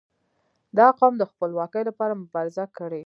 • دا قوم د خپلواکي لپاره مبارزه کړې.